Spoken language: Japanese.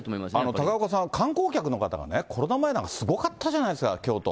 高岡さん、観光客の方、コロナ前なんかすごかったじゃないですか、京都。